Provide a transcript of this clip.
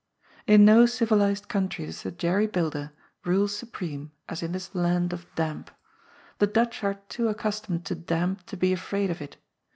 In no civilized country does the jerry builder rule su preme as in this land of damp. The Dutch are too accus tomed to damp to be afraid of it.